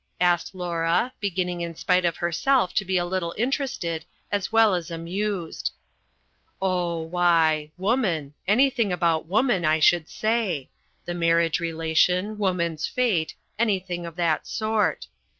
asked Laura, beginning in spite of herself to be a little interested as well as amused. "Oh, why; woman something about woman, I should say; the marriage relation, woman's fate, anything of that sort.